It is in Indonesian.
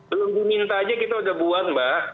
belum diminta saja kita sudah buat mbak